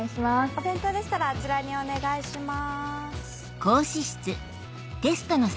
お弁当でしたらあちらにお願いします。